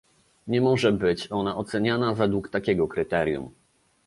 Nie może być ona oceniana według takiego kryterium